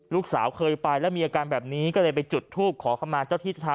ลูกสาวเคยไปแล้วมีอาการแบบนี้ก็เลยไปจุดทูปขอเข้ามาเจ้าที่เจ้าทาง